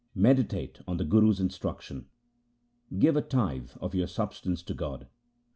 Meditate on the Guru's instruction. Give a tithe of your substance to God.